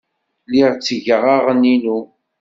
Lliɣ ttgeɣ aɣan-inu.